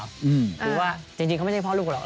หรือว่าจริงเขาไม่ได้เป็นพ่อลูกหรอก